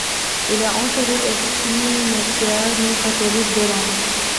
Il est enterré au cimetière non-catholique de Rome.